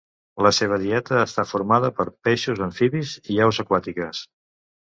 La seva dieta està formada per peixos, amfibis i aus aquàtiques.